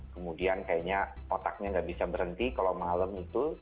kemudian kayaknya otaknya nggak bisa berhenti kalau malam itu